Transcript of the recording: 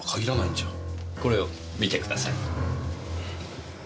これを見てください。